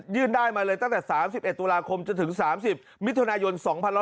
ได้มาเลยตั้งแต่๓๑ตุลาคมจนถึง๓๐มิถุนายน๒๕๖๒